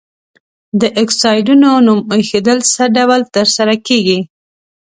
د اکسایدونو نوم ایښودل څه ډول تر سره کیږي؟